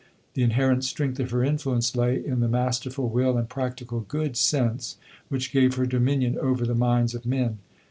The inherent strength of her influence lay in the masterful will and practical good sense which gave her dominion over the minds of men.